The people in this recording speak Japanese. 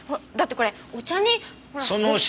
だってこれお茶にほら。